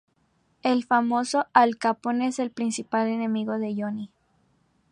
El famoso Al Capone es el principal enemigo de Johnny.